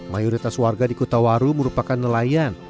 mayoritas warga di kota waru merupakan nelayan